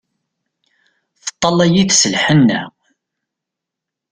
Teṭṭalay-it s lhenna.